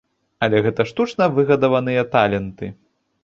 Але гэта штучна выгадаваныя таленты.